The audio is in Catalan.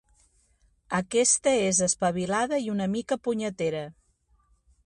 Aquesta és espavilada i una mica punyetera.